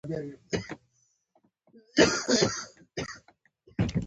زه موبایل ته سبقونه لیکم.